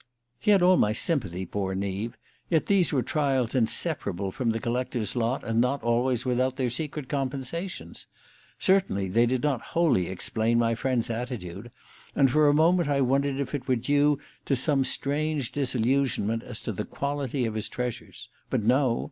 He had all my sympathy, poor Neave; yet these were trials inseparable from the collector's lot, and not always without their secret compensations. Certainly they did not wholly explain my friend's attitude; and for a moment I wondered if it were due to some strange disillusionment as to the quality of his treasures. But no!